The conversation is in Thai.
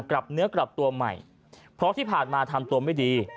กลับเนื้อกลับตัวใหม่เพราะที่ผ่านมาทำตัวไม่ดี